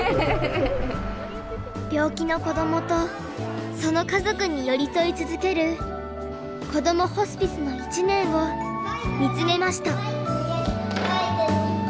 病気の子どもとその家族に寄り添い続けるこどもホスピスの１年を見つめました。